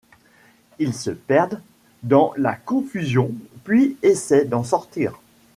Ils se perdent dans la confusion puis essaient d'en sortir.